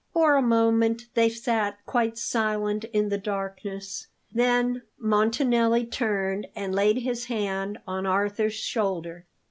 For a moment they sat quite silent in the darkness. Then Montanelli turned and laid his hand on Arthur's shoulder.